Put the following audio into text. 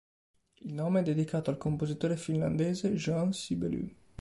Il nome è dedicato al compositore finlandese Jean Sibelius.